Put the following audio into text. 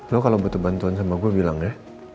lo kalau butuh bantuan sama gue bilang ya